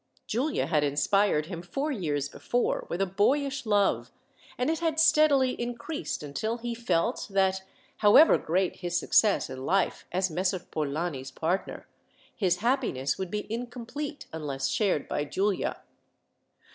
Giulia had inspired him, four years before, with a boyish love, and it had steadily increased until he felt that, however great his success in life as Messer Polani's partner, his happiness would be incomplete unless shared by Giulia.